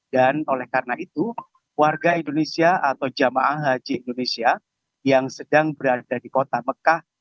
dan oleh karena itu warga indonesia atau jamaah haji indonesia yang sedang berada di kota mekah